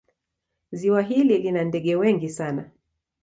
Ziwa hili lina ndege wengi sana.